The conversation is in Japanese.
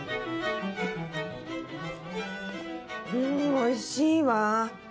うーんおいしいわ。